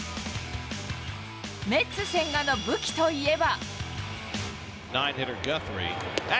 メッツ、千賀の武器といえば。